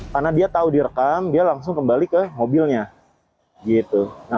karena dia tahu direkam dia langsung kembali ke mobilnya